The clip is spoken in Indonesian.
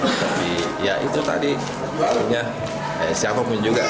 tapi ya itu tadi punya siapapun juga